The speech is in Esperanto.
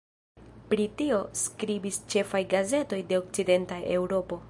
Pri tio skribis ĉefaj gazetoj de okcidenta Eŭropo.